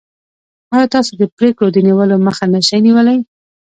تاسو د پرېکړو د نیولو مخه نشئ نیولی.